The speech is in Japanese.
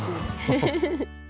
フフフ。